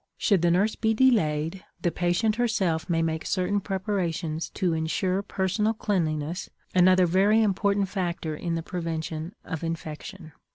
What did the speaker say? Should the nurse be delayed, the patient herself may make certain preparations to insure personal cleanliness, another very important factor in the prevention of infection.